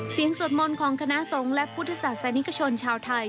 เสียงสวดมนต์ของคณะทรงและพุทธศาสนิกชนไทย